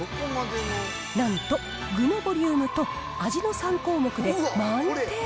なんと、具のボリュームと味の３項目で満点。